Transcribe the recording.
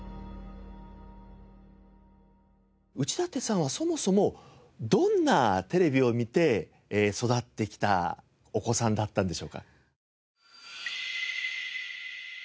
内館さんはそもそもどんなテレビを観て育ってきたお子さんだったんでしょうか？